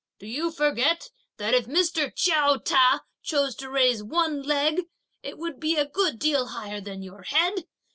Do you forget that if Mr. Chiao Ta chose to raise one leg, it would be a good deal higher than your head!